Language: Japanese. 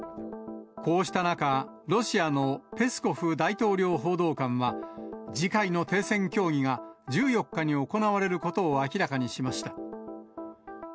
こうした中、ロシアのペスコフ大統領報道官は、次回の停戦協議が１４日に行われることを明らかにしました。